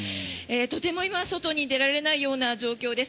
とても今は外に出られないような状況です。